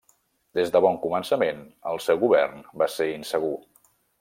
Des de bon començament, el seu govern va ser insegur.